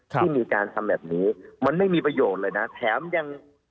ที่มีการทำแบบนี้มันไม่มีประโยชน์เลยนะแถมยัง